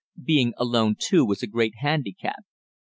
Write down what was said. Being alone too was a great handicap.